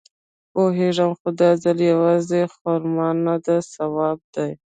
پوېېږم خو دا ځل يوازې خرما نده ثواب دی.